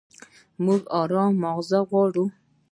موږ ارام ماغزه غواړو.